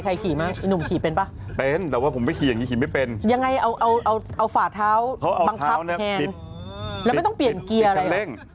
ใส่ไขม่งหนูที่เป็นปะเป็นแต่ว่าผมไม่ขี่ไม่เป็นยังไงเอาฝ่าเท้าเกียร์